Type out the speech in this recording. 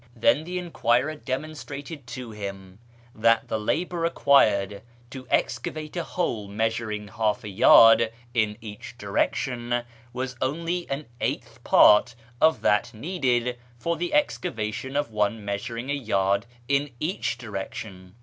Then the enquirer demon strated to him that the labour required to excavate a hole measuring half a yard in each direction was only an eighth part of that needed for the excavation of one measuring a yard in each direction.